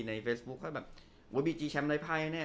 ในเฟสบุ๊คก็แบบว่าบีจีแชมป์ได้ไพรแน่